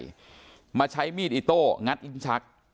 อีส่ี้มาใช้มีดอิโต้งัดลิ้นชัก